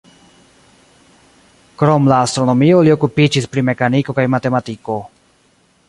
Krom la astronomio li okupiĝis pri mekaniko kaj matematiko.